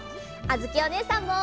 あづきおねえさんも！